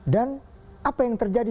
dan apa yang terjadi